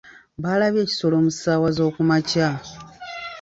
Baalabye ekisolo mu ssaawa z'okumakya.